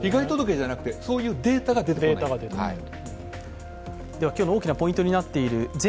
被害届ではなく、そういうデータが出てくればです。